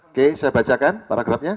oke saya bacakan paragrafnya